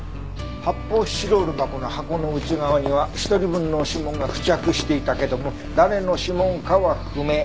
発泡スチロール箱の箱の内側には１人分の指紋が付着していたけども誰の指紋かは不明。